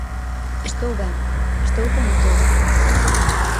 Estou ben, estou como todos.